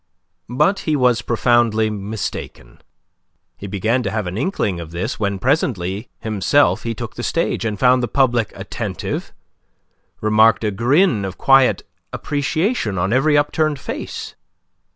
But he was profoundly mistaken. He began to have an inkling of this when presently himself he took the stage, and found the public attentive, remarked a grin of quiet appreciation on every upturned face.